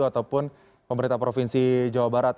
ataupun pemerintah provinsi jawa barat